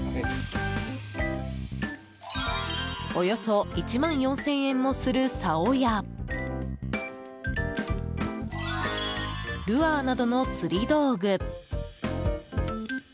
およそ１万４０００円もするさおやルアーなどの釣り道具。